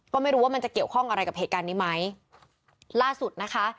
ก็ไม่รู้ว่ามันจะเกี่ยวข้องอะไรกับเหตุการณ์นี้ไหมล่าสุดนะคะ